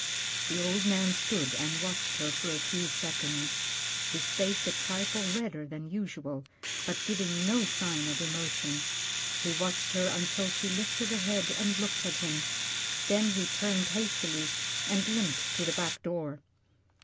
The old man stood and watched her for a few seconds, his face a trifle redder than usual, but giving no other sign of emotion. He watched her until she lifted her head and looked at him, then he turned hastily and limped to the back door.